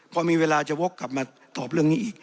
พอมีเวลาจะวกกลับมาตอบเรื่องนี้อีก